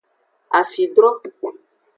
Afidro.